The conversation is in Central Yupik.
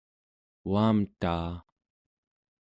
uamtaa